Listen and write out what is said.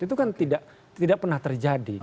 itu kan tidak pernah terjadi